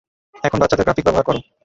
এখন বাচ্চাদের গ্রাফিক ব্যবহার করো।